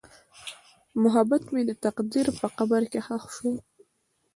محبت مې د تقدیر په قبر کې ښخ شو.